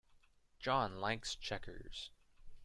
John likes checkers.